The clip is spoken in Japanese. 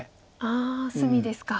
ああ隅ですか。